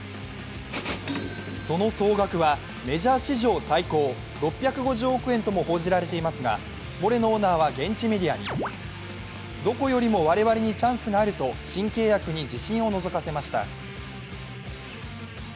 その総額はメジャー史上最高、６５０億円とも報じられていますがモレノオーナーは現地メディアにどこよりも我々にチャンスがあると新契約に自信をのぞかせました。